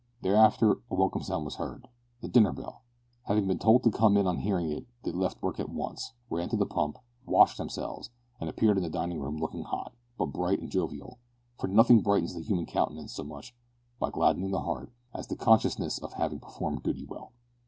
Thereafter a welcome sound was heard the dinner bell! Having been told to come in on hearing it, they left work at once, ran to the pump, washed themselves, and appeared in the dining room looking hot, but bright and jovial, for nothing brightens the human countenance so much, (by gladdening the heart), as the consciousness of having performed duty well.